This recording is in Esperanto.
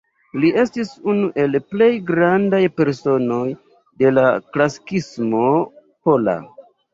Li estis unu el plej grandaj personoj de la klasikismo pola.